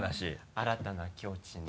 新たな境地に。